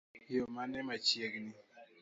Yoo mane machiegni?